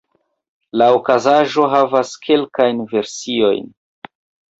La okazaĵo havas kelkajn versiojn.